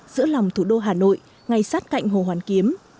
giữa lòng thủ đô hà nội ngay sát cạnh hồ hoàn kiếm